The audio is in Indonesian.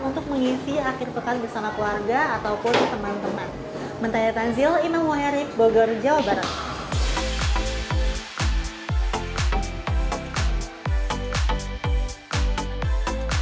untuk mengisi akhir pekan bersama keluarga ataupun teman teman